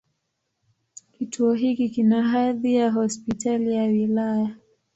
Kituo hiki kina hadhi ya Hospitali ya wilaya.